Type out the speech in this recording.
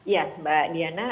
ya mbak diana